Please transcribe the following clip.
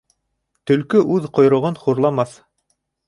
Төлкө үҙ ҡойроғон хурламаҫ.